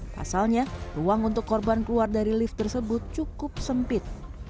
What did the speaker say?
pasalnya ruang untuk korban keluar dari lift tersebut cukup sempit